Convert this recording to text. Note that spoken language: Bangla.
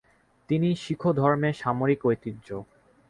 তিনি শিখ ধর্মে সামরিক ঐতিহ্য।